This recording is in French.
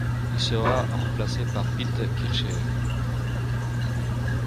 Il sera remplacé par Pete Kircher.